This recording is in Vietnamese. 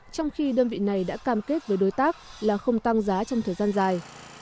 trong khi đơn vị này đã cam kết với đối tác là không tăng giá trong thời gian dài